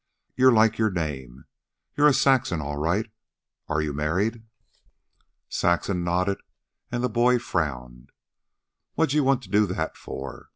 You're like your name. You're a Saxon, all right. Are you married?" Saxon nodded, and the boy frowned. "What'd you want to do that for?